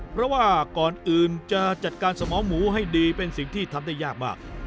เพราะว่าก่อนอื่นจะจัดการสมองหมูให้ดีเป็นสิ่งที่ทำได้ยากมาก